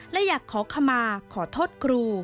และอยากขอขมาขอโทษครู